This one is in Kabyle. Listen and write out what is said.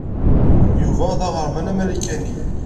Yuba d aɣerman amarikani.